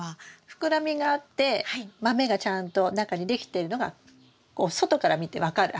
膨らみがあって豆がちゃんと中にできてるのがこう外から見て分かる。